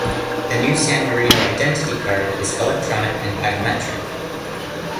The new San Marino identity card is electronic and biometric.